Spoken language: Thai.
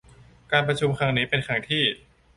การประชุมครั้งนี้เป็นครั้งที่